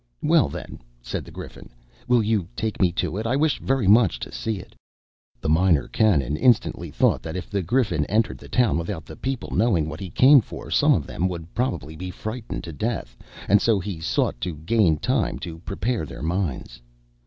"Well, then," said the Griffin, "will you take me to it? I wish very much to see it." The Minor Canon instantly thought that if the Griffin entered the town without the people knowing what he came for, some of them would probably be frightened to death, and so he sought to gain time to prepare their minds.